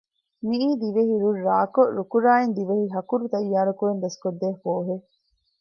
މިއީ ދިވެހި ރުއް ރާކޮށް ރުކުރާއިން ދިވެހިހަކުރު ތައްޔާރުކުރަން ދަސްކޮށްދޭ ކޯހެއް